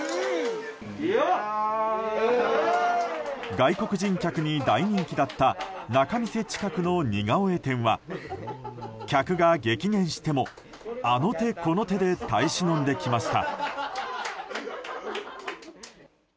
外国人客に大人気だった仲見世近くの似顔絵店は客が激減しても、あの手この手で耐え忍んできました。